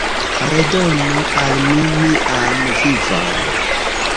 Redonu al mi mian vivon!